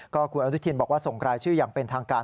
คุณอนุทินบอกว่าส่งรายชื่ออย่างเป็นทางการ